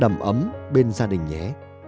đầm ấm bên gia đình nhé